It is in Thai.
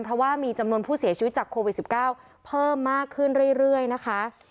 เพราะว่ามีจำนวนผู้เสียชีวิตจากโควิด๑๙เพิ่มมากขึ้นเรื่อยนะคะ